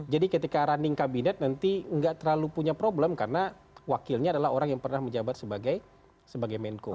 jadi ketika running kabinet nanti nggak terlalu punya problem karena wakilnya adalah orang yang pernah menjabat sebagai menko